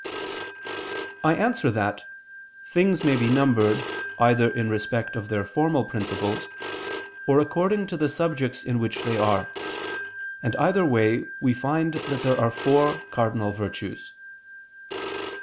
I answer that, Things may be numbered either in respect of their formal principles, or according to the subjects in which they are: and either way we find that there are four cardinal virtues.